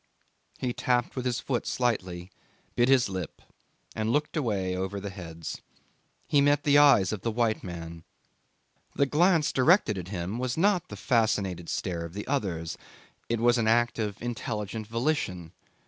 He tapped with his foot slightly, bit his lip, and looked away over the heads. He met the eyes of the white man. The glance directed at him was not the fascinated stare of the others. It was an act of intelligent volition.